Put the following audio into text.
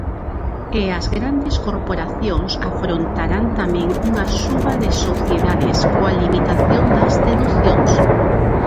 E as grandes corporacións afrontarán tamén unha suba de Sociedades, coa limitación das deducións.